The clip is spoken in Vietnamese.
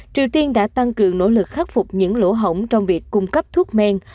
triều tiên đã tăng cường nỗ lực khắc phục những lỗ hổng trong việc cung cấp thuốc men